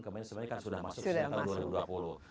kemarin sebenarnya sudah masuk dua ribu dua puluh